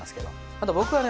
あと僕はね